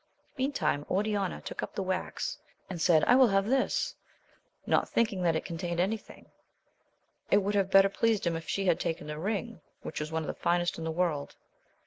Meantime Oriana took up the wax, and said, I will have this, not thinking that it contained any thing: it would have better pleased him if she had taken the ring, which was one of the finest in the world.